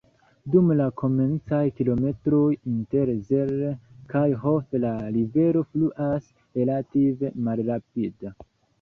Dum la komencaj kilometroj inter Zell kaj Hof la rivero fluas relative malrapide.